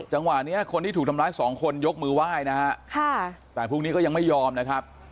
จังหวะนี้คนที่ถูกทำร้ายสองคนยกมือไหว้นะฮะค่ะแต่พวกนี้ก็ยังไม่ยอมนะครับ